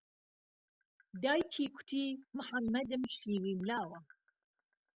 دایکیکوتی محهممهدم شیرنلاوه